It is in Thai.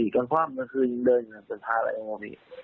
กันความกลัวคืนเดินอยู่ในสถานี